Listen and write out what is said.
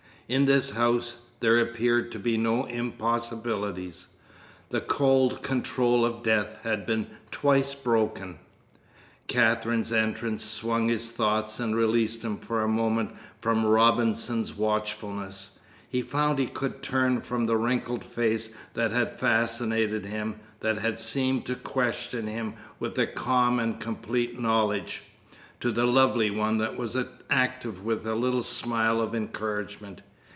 In this house there appeared to be no impossibilities. The cold control of death had been twice broken. Katherine's entrance swung his thoughts and released him for a moment from Robinson's watchfulness. He found he could turn from the wrinkled face that had fascinated him, that had seemed to question him with a calm and complete knowledge, to the lovely one that was active with a little smile of encouragement.